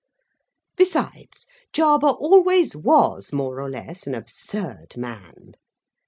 Besides, Jarber always was more or less an absurd man.